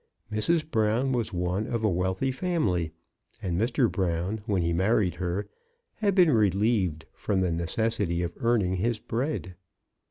Mrs. Brown was one of a wealthy family, and Mr, MRS. BROWN'S SUCCESS. 3 Brown, when he married her, had been relieved from the necessity of earning his bread.